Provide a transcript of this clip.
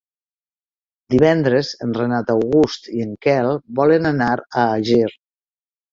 Divendres en Renat August i en Quel volen anar a Àger.